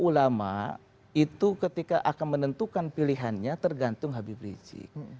ulama itu ketika akan menentukan pilihannya tergantung habib rizik